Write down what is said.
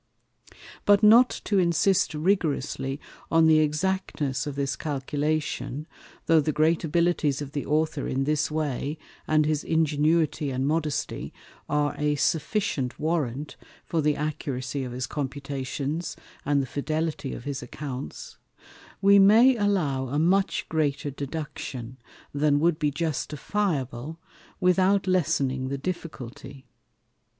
But not to insist rigorously on the Exactness of this Calculation, (though the great Abilities of the Author in this way, and his Ingenuity and Modesty, are a sufficient Warrant for the Accuracy of his Computations, and the Fidelity of his Accounts) we may allow a much greater Deduction, than would be justifiable, without lessening the Difficulty.